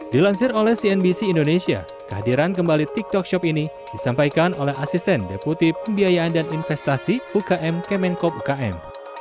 dilansir oleh cnbc indonesia kehadiran kembali tiktok shop ini disampaikan oleh asisten deputi pembiayaan dan investasi ukm kemenkop ukm